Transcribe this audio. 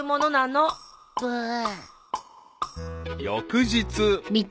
［翌日］